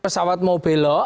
pesawat mau belok